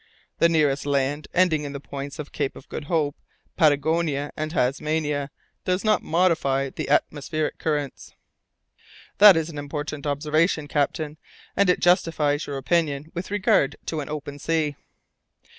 The nearest land, ending in the points of the Cape of Good Hope, Patagonia, and Tasmania, does not modify the atmospheric currents." "That is an important observation, captain, and it justifies your opinion with regard to an open sea."